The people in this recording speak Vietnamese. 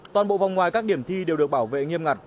toàn bộ vòng ngoài các điểm thi đều được bảo vệ nghiêm ngặt